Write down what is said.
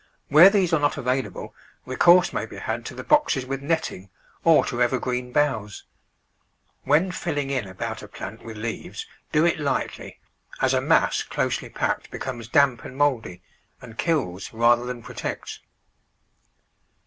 Where these are not available, recourse may be had to the boxes with netting, or to evergreen boughs. When filling in about a plant with leaves do Digitized by Google 206 The Flower Garden [Chapter it lightly, as a mass closely packed becomes damp and mouldy, and kills rather than protects.